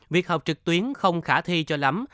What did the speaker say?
việc học trực tuyến không khả thi cho lắm